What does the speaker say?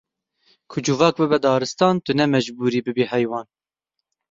Ku civak bibe daristan, tu ne mecbûr î bibî heywan!